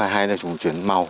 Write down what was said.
hai là vùng chuyển màu